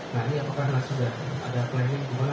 nah ini apakah sudah ada klaiming gimana